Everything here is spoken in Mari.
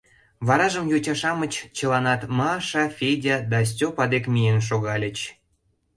Варажым йоча-шамыч чыланат Маша, Федя да Стёпа дек миен шогальыч.